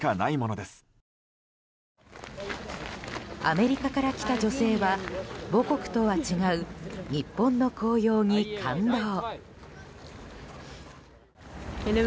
アメリカから来た女性は母国とは違う日本の紅葉に感動。